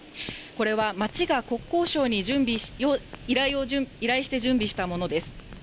これは町が国交省に依頼して準備したものです。